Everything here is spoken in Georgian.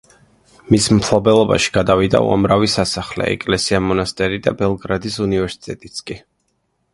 მის მფლობელობაში გადავიდა უამრავი სასახლე, ეკლესია-მონასტერი და ბელგრადის უნივერსიტეტიც კი.